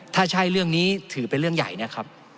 ถ้าใช่เรื่องนี้ถือเป็นเรื่องใหญ่นะครับ